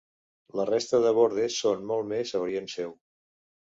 La resta de bordes són molt més a orient seu.